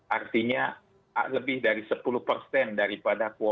artinya lebih dari sepuluh daripada perjumlah